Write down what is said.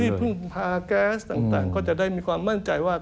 พึ่งพาแก๊สต่างก็จะได้มีความมั่นใจว่า